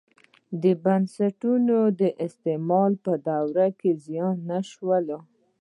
بنسټونه یې د استعمار په دوره کې زیان نه شول.